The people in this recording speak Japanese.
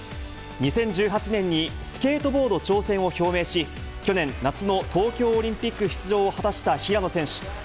２０１８年にスケートボード挑戦を表明し、去年、夏の東京オリンピック出場を果たした平野選手。